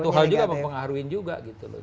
satu hal juga mempengaruhi juga gitu loh